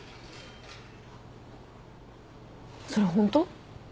それ本当？